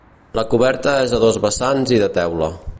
La coberta és a dos vessants i de teula.